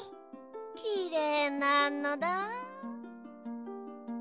きれいなのだ。